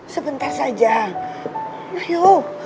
sebentar saja ayo